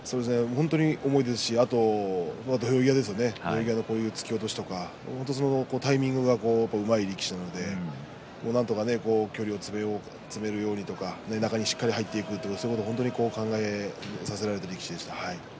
本当に重いですし土俵際の突き落としとかそういうタイミングがうまい力士なのでなんとか距離を詰めるようにとか中にしっかり入っていくということを考えさせられた力士でした。